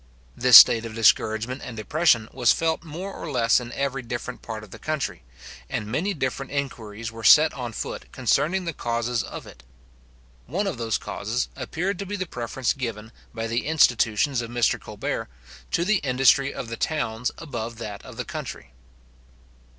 This state of discouragement and depression was felt more or less in every different part of the country, and many different inquiries were set on foot concerning the causes of it. One of those causes appeared to be the preference given, by the institutions of Mr. Colbert, to the industry of the towns above that of the country.